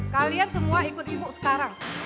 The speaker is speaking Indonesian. kalian semua ikut ibu sekarang